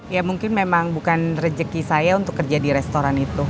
ya mungkin memang bukan rezeki saya untuk kerja di restoran itu